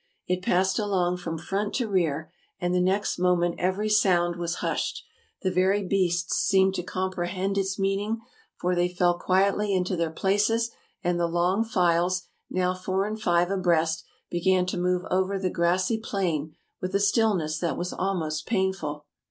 It passed along from front to rear, and the next moment every sound was hushed ; the very beasts seemed to comprehend its meaning, for they fell quietly into their places, and the long files, now four and five abreast, began to move over the grassy plain with a stillness that was almost painful.